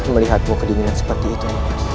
melihatmu kedinginan seperti itu